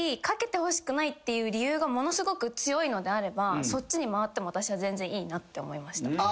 かけてほしくないっていう理由がものすごく強いのであればそっちに回っても私は全然いいなって思いました。